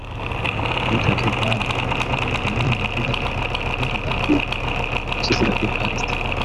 abantu bitabye Imana mu bihe binyuranye ubwo bageragezaga kurira umusozi wa Everest